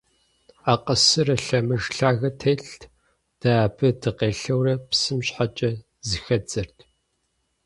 Акъсырэ лъэмыж лъагэ телът, дэ абы дыкъелъэурэ псым щхьэкӏэ зыхэддзэрт.